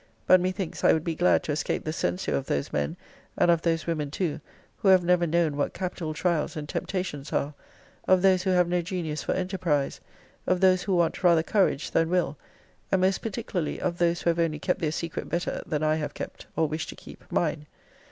But, methinks, I would be glad to escape the censure of those men, and of those women too, who have never known what capital trials and temptations are; of those who have no genius for enterprise; of those who want rather courage than will; and most particularly of those who have only kept their secret better than I have kept, or wish to keep, mine.